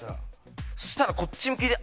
そしたらこっち向きで。